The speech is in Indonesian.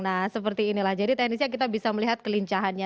nah seperti inilah jadi teknisnya kita bisa melihat kelincahannya